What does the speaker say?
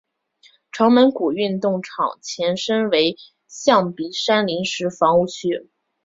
城门谷运动场前身为象鼻山临时房屋区。